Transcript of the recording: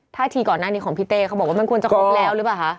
ท่าทีก่อนหน้านี้ของพี่เต้เขาบอกว่ามันควรจะครบแล้วหรือเปล่าคะ